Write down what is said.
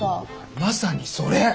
まさにそれ。